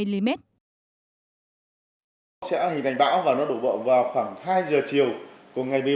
sẽ hình thành bão và nó đổ bộ vào khoảng hai giờ chiều